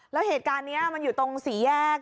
แล้วเหตุการณ์นี้มันอยู่ตรงสี่แยก